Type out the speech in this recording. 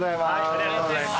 ありがとうございます。